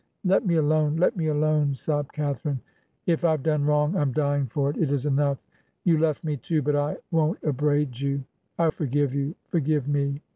... 'Let me alone. Let me alone,' sobbed Catharine. ' If I've done wrong, I'm dying for it. It is enough. You left me too, but I won't upbraid you. I forgive you; forgive me!'